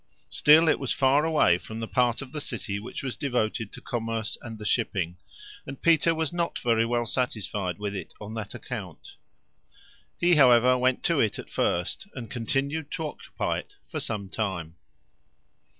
Still it was far away from the part of the city which was devoted to commerce and the shipping, and Peter was not very well satisfied with it on that account. He, however, went to it at first, and continued to occupy it for some time.